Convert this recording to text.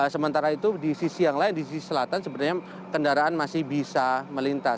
sementara itu di sisi yang lain di sisi selatan sebenarnya kendaraan masih bisa melintas